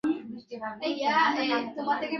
গণতন্ত্রের নামে আমাদের দেশে এখন চলছে পরিবারতন্ত্র।